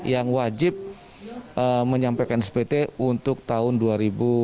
yang wajib menyampaikan spt untuk tahun dua ribu dua puluh